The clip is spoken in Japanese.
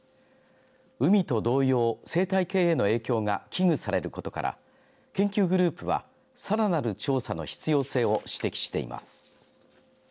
海と同様、生態系への影響が危惧されることから研究グループは、さらなる調査の必要性を指摘しています。